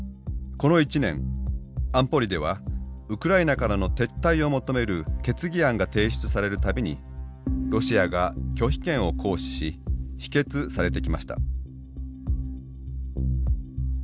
この１年安保理ではウクライナからの撤退を求める決議案が提出される度にロシアが拒否権を行使し否決されてきました。